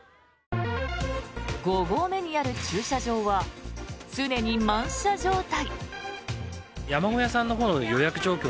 ５合目にある駐車場は常に満車状態。